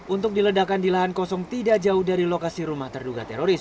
untuk diledakan di lahan kosong tidak jauh dari lokasi rumah terduga teroris